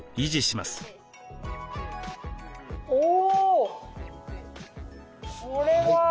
お！